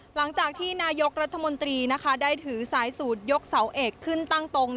หลังจากที่นายกรัฐมนตรีได้ถือสายสูตรยกเสาเอกขึ้นตั้งตรง